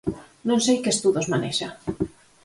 Non sei que estudos manexa.